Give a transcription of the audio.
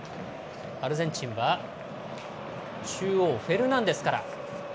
アルゼンチンは中央フェルナンデスから。